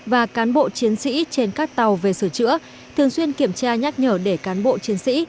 và cán bộ chiến sĩ trên các tàu về sửa chữa thường xuyên kiểm tra nhắc nhở để cán bộ chiến sĩ